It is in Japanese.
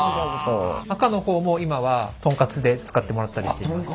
赤のほうも今はトンカツで使ってもらったりしています。